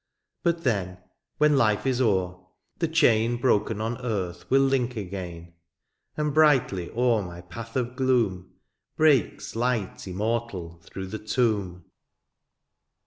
^^ But then, when life is o'er, the chain ^^ Broken on earth will link again ;^^ And brightly o'er my pafli of gloom ^^ Breaks light immortal through the tomb."